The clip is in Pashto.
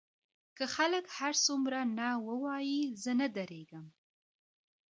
که خلک هر څومره نه ووايي زه نه درېږم.